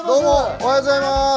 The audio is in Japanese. おはようございます。